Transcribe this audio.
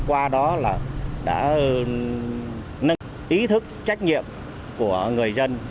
qua đó là đã nâng ý thức trách nhiệm của người dân